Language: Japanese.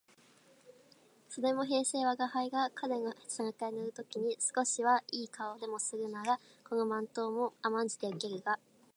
それも平生吾輩が彼の背中へ乗る時に少しは好い顔でもするならこの漫罵も甘んじて受けるが、